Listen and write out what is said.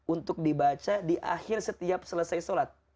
untuk dibaca di akhir setiap selesai sholat